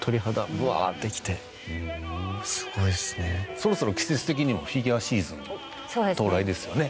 そろそろ季節的にもフィギュアシーズンの到来ですよね。